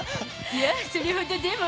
いや、それほどでも。